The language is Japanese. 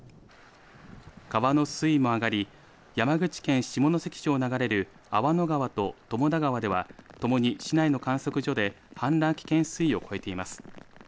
川の水位も上がり山口県下関市を流れる粟野川と友田川ではともに市内の観測所で氾濫危険水位を超えています。